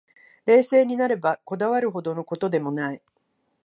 冷静になれば、こだわるほどの事でもない